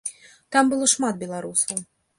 Там было шмат беларусаў.